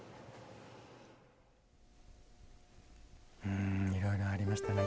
うんいろいろありましたね。